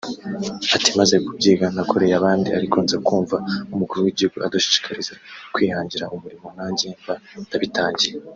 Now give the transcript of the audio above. Ati “Maze kubyiga nakoreye abandi ariko nza kumva Umukuru w’igihugu adushishikariza kwihangira umurimo nanjye mba ndabitangiye